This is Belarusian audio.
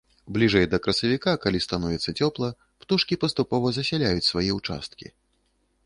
Бліжэй да красавіка, калі становіцца цёпла, птушкі паступова засяляюць свае ўчасткі.